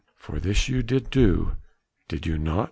for this you did do, did you not?"